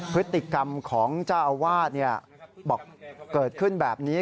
พฤติกรรมของเจ้าอาวาสบอกเกิดขึ้นแบบนี้